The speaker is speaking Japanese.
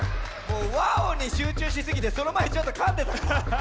もう「ワオ！」にしゅうちゅうしすぎてそのまえちょっとかんでたから。